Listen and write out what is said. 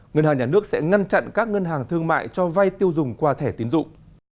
ngân hàng nhà nước sẽ ngăn chặn các ngân hàng thương mại cho vay tiêu dùng qua thẻ tiến dụng